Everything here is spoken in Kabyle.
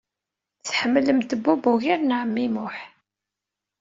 Tḥemmlemt Bob ugar n ɛemmi Muḥ.